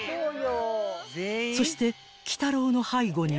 ［そして鬼太郎の背後にも］